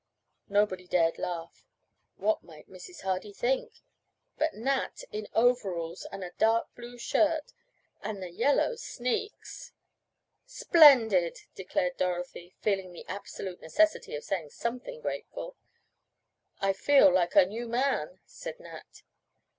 Nobody dared to laugh. What might Mrs. Hardy think? But Nat in overalls! And a dark blue shirt! And the yellow sneaks! "Splendid," declared Dorothy, feeling the absolute necessity of saying something grateful. "I feel like a new man," said Nat.